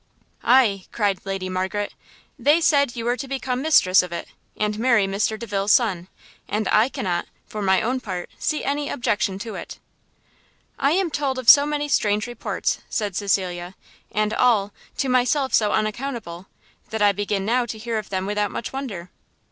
"Aye," cried Lady Margaret, "they said you were to become mistress of it, and marry Mr Delvile's son and I cannot, for my own part, see any objection to it." "I am told of so many strange reports," said Cecilia, "and all, to myself so unaccountable, that I begin now to hear of them without much wonder."